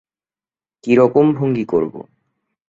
কীরকম ভঙ্গি করবো?